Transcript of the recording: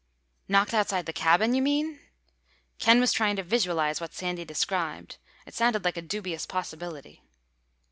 "Knocked outside the cabin, you mean?" Ken was trying to visualize what Sandy described. It sounded like a dubious possibility.